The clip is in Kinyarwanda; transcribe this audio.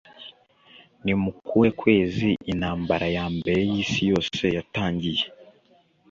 Ni mu kuhe ukwezi Intambara ya Mbere y'Isi Yose yatangiye?